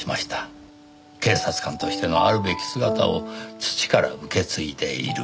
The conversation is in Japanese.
警察官としてのあるべき姿を父から受け継いでいる。